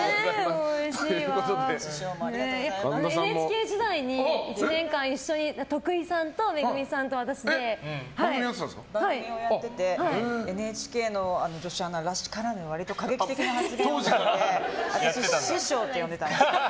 ＮＨＫ時代に１年間、一緒に徳井さんと番組をやっててＮＨＫの女子アナらしからぬ割と過激的な発言をしていて私は師匠って呼んでたんです。